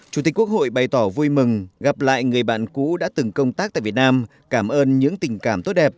chủ tịch quốc hội bày tỏ vui mừng gặp lại người bạn cũ đã từng công tác tại việt nam cảm ơn những tình cảm tốt đẹp